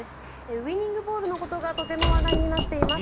ウィニングボールのことがとても話題になっています。